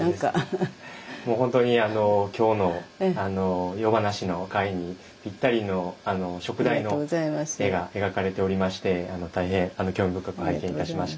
もう本当に今日の夜咄の会にぴったりの燭台の絵が描かれておりまして大変興味深く拝見いたしました。